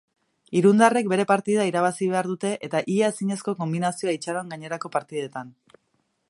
Irundarrek bere partida irabazi behar dute eta ia ezinezko konbinazioa itxaron gainerako partidetan.